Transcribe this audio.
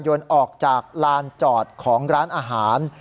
ยนต์ออกจากลานจอดของร้านอาหาร